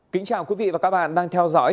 kính chào quý vị và các bạn đang theo dõi